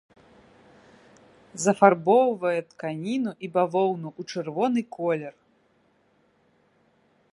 Зафарбоўвае тканіну і бавоўна ў чырвоны колер.